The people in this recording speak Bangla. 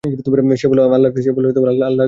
সে বলল, আল্লাহর কসম করে বলছি।